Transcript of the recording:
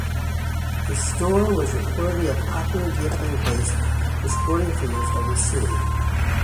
His store was reportedly a popular gathering place for sporting figures of the city.